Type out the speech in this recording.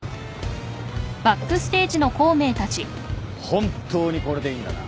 本当にこれでいいんだな？